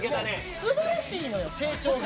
すばらしいのよ成長が。